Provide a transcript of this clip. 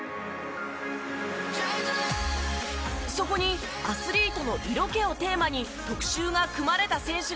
そこに「アスリートの色気」をテーマに特集が組まれた選手がいます。